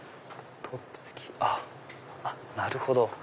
あっなるほど。